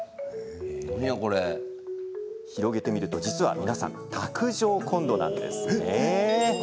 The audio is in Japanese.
これ、広げてみると実は卓上コンロなんです。